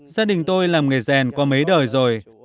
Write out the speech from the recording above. gia đình tôi làm nghề rèn qua mấy đời rồi